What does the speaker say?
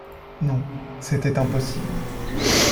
Non! c’était impossible !